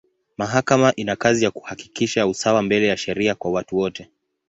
Mahakama ina kazi ya kuhakikisha usawa mbele ya sheria kwa watu wote.